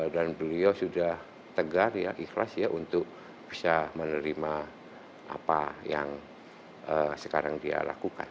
dan beliau sudah tegar ya ikhlas ya untuk bisa menerima apa yang sekarang dia lakukan